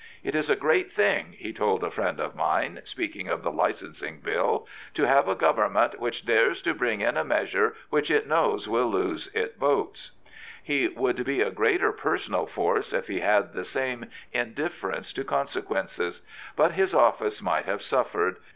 " It is a great thing/^ he told a friend of mine, speaking of the Licensing Bill, to have a Government which dares to bring in a measure which it knows will lose it votes/' He would be a greater personal force if he had the same indifference to consequences: but his office might have suffered.